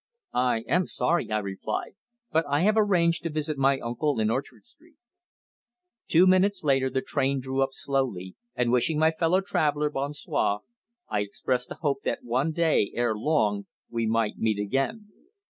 "I am sorry," I replied. "But I have arranged to visit my uncle in Orchard Street." Two minutes later the train drew up slowly, and wishing my fellow traveller bon soir, I expressed a hope that one day, ere long, we might meet again.